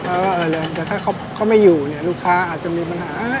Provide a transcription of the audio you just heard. เออแต่ถ้าเขาไม่อยู่เนี่ยลูกค้าอาจจะมีปัญหา